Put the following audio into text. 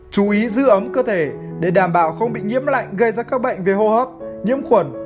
chú ý giữ ấm cơ thể để đảm bảo không bị nhiễm lạnh gây ra các bệnh về hô hấp nhiễm khuẩn